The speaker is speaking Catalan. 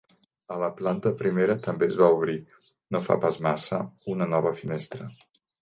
A la planta primera també es va obrir, no fa pas massa, una nova finestra.